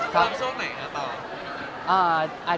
คำโชคไหนก็ต่อ